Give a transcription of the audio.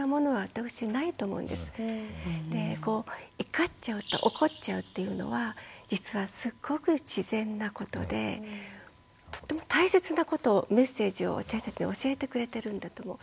怒っちゃうと怒っちゃうっていうのは実はすごく自然なことでとっても大切なことをメッセージを私たちに教えてくれてるんだと思う。